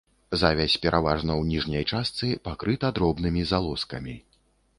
Завязь, пераважна ў ніжняй частцы, пакрыта дробнымі залозкамі.